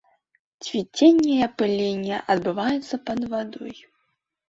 Цвіценне і апыленне адбываюцца пад вадой.